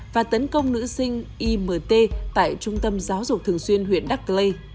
và tấn công nữ sinh imt tại trung tâm giáo dục thường xuyên huyện đắk lê